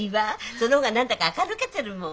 その方が何だかアカ抜けてるもん。